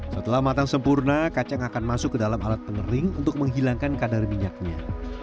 setelah matang sempurna kacang akan masuk ke dalam alat pengering untuk menghilangkan kadar minyaknya